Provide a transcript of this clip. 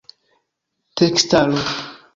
tekstaro